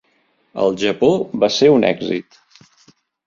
Al Japó va ser un èxit.